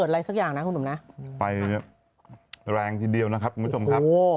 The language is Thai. ไฟเนี้ยแรงทีเดียวนะครับคุณผู้ชมครับโห